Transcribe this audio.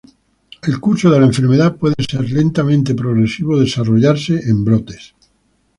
El curso de la enfermedad puede ser lentamente progresivo o desarrollarse en brotes.